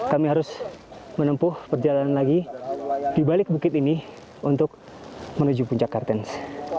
kami harus menempuh perjalanan lagi di balik bukit ini untuk menuju puncak kartens